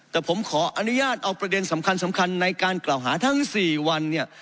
แต่ผมขออนุญาตเอาประเด็นสำคัญในการกล่าวหาทั้ง๔วันเนี่ย